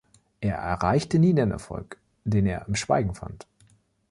Er erreichte nie den Erfolg, den er im Schweigen fand.